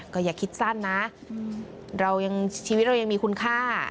ก็อย่าคิดสั้นนะเรายังชีวิตเรายังมีคุณค่า